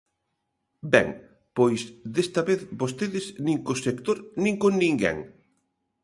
Ben, pois desta vez vostedes nin co sector nin con ninguén.